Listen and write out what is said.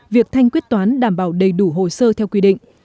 việc thanh quyết toán đảm bảo đầy đủ hồ sơ theo quy định